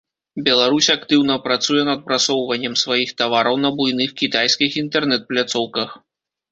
Беларусь актыўна працуе над прасоўваннем сваіх тавараў на буйных кітайскіх інтэрнэт-пляцоўках.